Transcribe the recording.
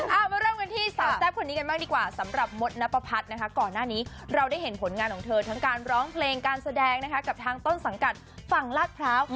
เอามาเริ่มกันที่สาวแซ่บคนนี้กันบ้างดีกว่าสำหรับมดนับประพัฒน์นะคะก่อนหน้านี้เราได้เห็นผลงานของเธอทั้งการร้องเพลงการแสดงนะคะกับทางต้นสังกัดฝั่งลาดพร้าว